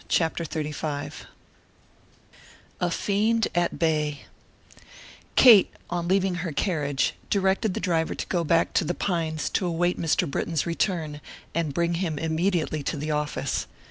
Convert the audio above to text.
Chapter XXXV A FIEND AT BAY Kate, on leaving her carriage, directed the driver to go back to The Pines to await Mr. Britton's return and bring him immediately to the office.